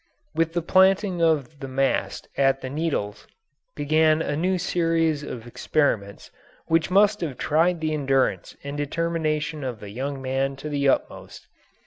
With the planting of the mast at the Needles began a new series of experiments which must have tried the endurance and determination of the young man to the utmost.